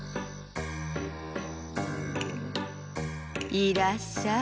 いらっしゃい。